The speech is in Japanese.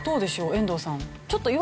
遠藤さん。